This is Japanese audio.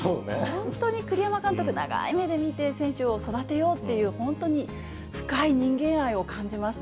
本当に栗山監督、長い目で見て、選手を育てようという、本当に深い人間愛を感じました。